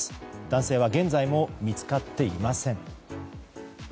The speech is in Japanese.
男性は現在も見つかっていません。